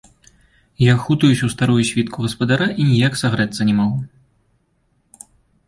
Я хутаюся ў старую світку гаспадара і ніяк сагрэцца не магу.